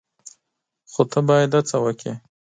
خو ته باید هڅه وکړې !